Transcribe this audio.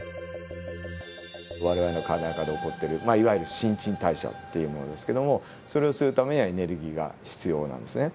我々の体の中で起こってるまあいわゆる新陳代謝っていうものですけどもそれをするためにはエネルギーが必要なんですね。